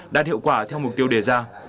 đã hiệu quả theo mục tiêu đề ra